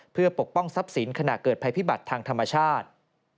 เพื่อปกป้องทรัพย์สินขณะเกิดภัยพิบัติทางธรรมชาติ